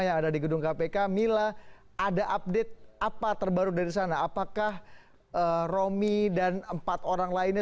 yang ada di gedung kpk mila ada update apa terbaru dari sana apakah romi dan empat orang lainnya